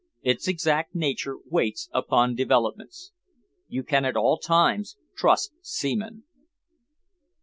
Its exact nature waits upon developments. You can at all times trust Seaman."